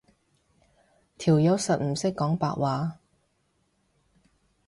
條友實唔識講白話